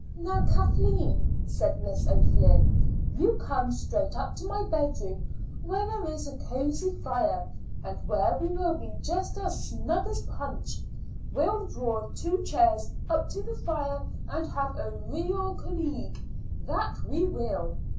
"Now, Kathleen," said Miss O'Flynn, "you come straight up to my bedroom, where there is a cosy fire, and where we will be just as snug as Punch. We'll draw two chairs up to the fire and have a real collogue, that we will."